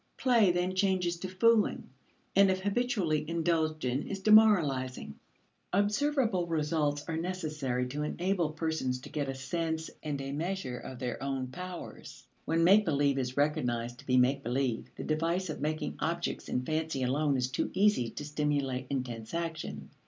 Play then changes to fooling and if habitually indulged in is demoralizing. Observable results are necessary to enable persons to get a sense and a measure of their own powers. When make believe is recognized to be make believe, the device of making objects in fancy alone is too easy to stimulate intense action.